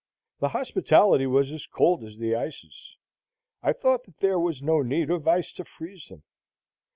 The hospitality was as cold as the ices. I thought that there was no need of ice to freeze them.